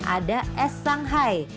ada es shanghai